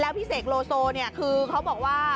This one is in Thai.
พี่เสกโลโซเนี่ยคือเขาบอกว่า